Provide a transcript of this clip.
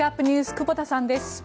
久保田さんです。